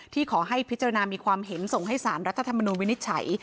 ขอให้พิจารณามีความเห็นส่งให้สารรัฐธรรมนุนวินิจฉัย